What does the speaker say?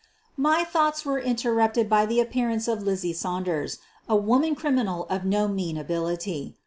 My thoughts were interrupted by the appearance of Lizzie Saunders, a woman criminal of no mean ability.